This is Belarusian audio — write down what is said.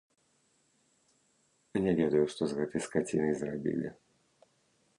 Не ведаю, што з гэтай скацінай зрабілі.